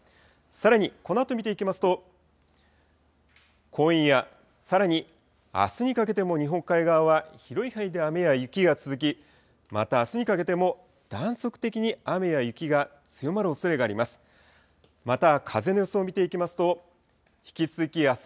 さらにこのあと見ていきますと、今夜、さらにあすにかけても、日本海側は広い範囲で雨や雪が続き、またあすにかけても、断続的に雨や雪が強まるおそれがあります。